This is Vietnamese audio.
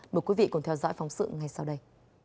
để quý vị còn theo dõi phóng sự ngay sau đây